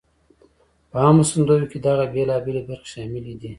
په عامو سندرو کې دغه بېلابېلی برخې شاملې دي: